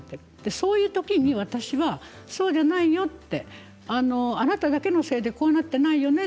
そういう時に私はそうじゃないよあなただけのせいでこうなってないよね